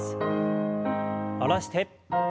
下ろして。